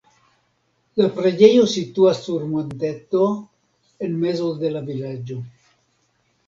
La preĝejo situas sur monteto en mezo de la vilaĝo.